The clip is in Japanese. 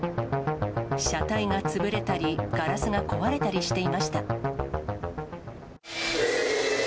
車体が潰れたり、ガラスが壊れたりしていました。